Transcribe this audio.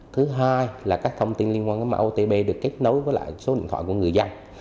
thứ hai là các thông tin liên quan đến mạng otp được kết nối với lại số điện thoại của người dân